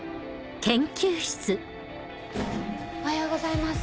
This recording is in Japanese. おはようございます。